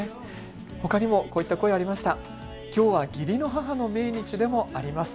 ほかにもこういった声ありました。